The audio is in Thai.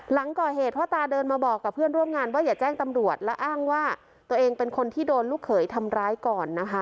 หลังก่อเหตุพ่อตาเดินมาบอกกับเพื่อนร่วมงานว่าอย่าแจ้งตำรวจและอ้างว่าตัวเองเป็นคนที่โดนลูกเขยทำร้ายก่อนนะคะ